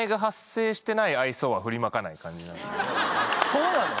そうなの？